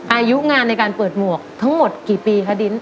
อายุงานในการเปิดหมวกทั้งหมดกี่ปีคะดิน